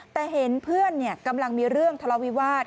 แต่เห็นเพื่อนกำลังมีเรื่องทะเลาวิวาส